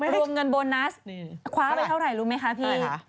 รวมเงินโบนัสคว้าไปเท่าไหร่รู้ไหมคะพี่